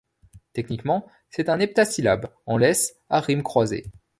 Techniquement, c’est un heptasyllabe en laisse à rimes croisées.